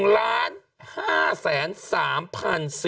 ๑ล้าน๕แสน๓พัน